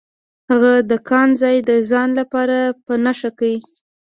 هغه د کان ځای د ځان لپاره په نښه کړ.